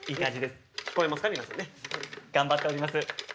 頑張っております。